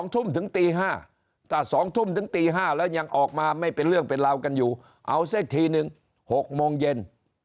ทุ่มถึงตี๕ถ้า๒ทุ่มถึงตี๕แล้วยังออกมาไม่เป็นเรื่องเป็นราวกันอยู่เอาซะทีนึง๖โมงเย็น